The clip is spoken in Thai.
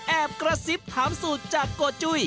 แอบกระซิบถามสูตรจากโกจุ้ย